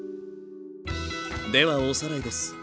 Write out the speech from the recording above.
ではおさらいです。